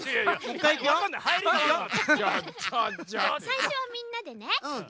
さいしょはみんなでね。